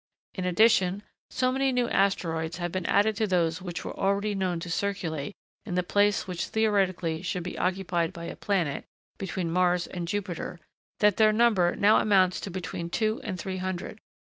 In addition, so many new asteroids have been added to those which were already known to circulate in the place which theoretically should be occupied by a planet, between Mars and Jupiter, that their number now amounts to between two and three hundred.